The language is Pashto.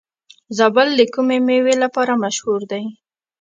زابل د کومې میوې لپاره مشهور دی؟